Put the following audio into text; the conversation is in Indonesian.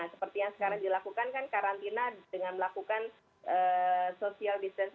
seperti yang sekarang dilakukan kan karantina dengan melakukan social distancing